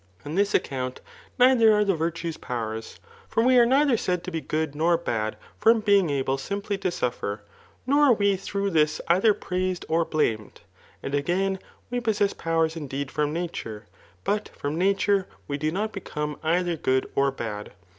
On this account neither are the virtues powers ; for we are nei ther sadd to be good nor bad from being able simply to iuffer, nor are we through this either praised or blametf. And again, we possess powers indeed from nature ; but from nature we do not become dther good or bad.